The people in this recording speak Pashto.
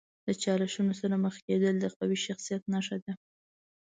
د چالشونو سره مخ کیدل د قوي شخصیت نښه ده.